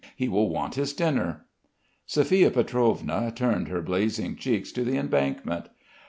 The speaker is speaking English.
He will want his dinner." Sophia Pietrovna turned her blazing cheeks to the embankment.